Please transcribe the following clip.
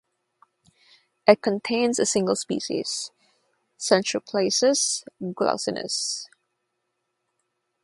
It contains a single species, Centroplacus glaucinus.